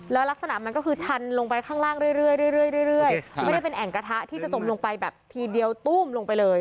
แล้วลักษณะมันก็คือชันลงไปข้างล่างเรื่อยไม่ได้เป็นแอ่งกระทะที่จะจมลงไปแบบทีเดียวตู้มลงไปเลย